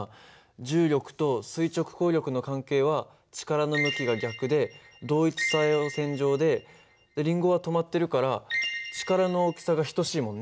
重力と垂直抗力の関係は力の向きが逆で同一作用線上でリンゴは止まってるから力の大きさが等しいもんね。